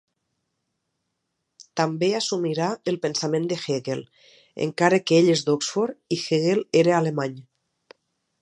També assumirà el pensament de Hegel, encara que ell és d’Oxford, i Hegel era alemany.